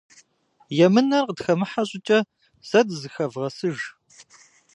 Емынэр къытхэмыхьэ щӏыкӏэ зэ дызэхэвгъэсыж.